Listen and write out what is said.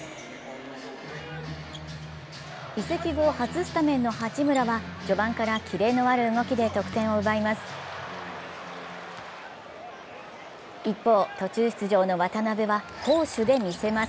移籍後初スタメンの八村は序盤からキレのある動きで特典を奪います。